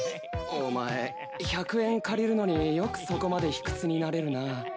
お前１００円借りるのによくそこまで卑屈になれるな。